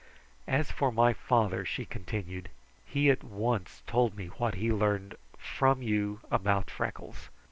"As for my father," she continued, "he at once told me what he learned from you about Freckles.